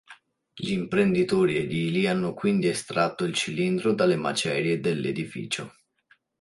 Gli imprenditori edili hanno quindi estratto il cilindro dalle macerie dell'edificio.